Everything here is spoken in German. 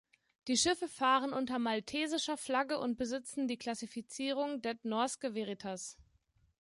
Die Schiffe fahren unter maltesischer Flagge und besitzen die Klassifizierung „Det Norske Veritas“.